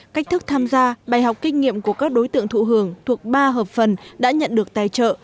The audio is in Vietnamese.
cách thức tham gia bài học kinh nghiệm của các đối tượng thụ hưởng thuộc ba hợp phần đã nhận được tài trợ